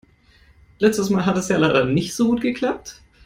Letztes Mal hat es ja leider nicht so gut geklappt.